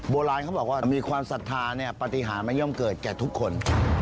โบราณเขาบอกว่ามีความศรัทธาเนี่ยปฏิหารไม่ย่อมเกิดแก่ทุกคน